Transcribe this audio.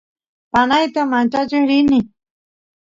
panayta manchachiy rini